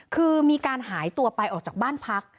คือมีการหายตัวไปออกจากบ้านพัก